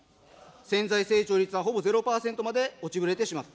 潜在成長率はほぼ０％まで落ちぶれてしまった。